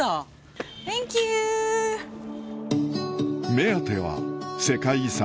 目当ては世界遺産